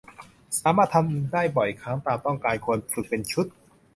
สามารถทำได้บ่อยครั้งตามต้องการ ควรฝึกเป็นชุด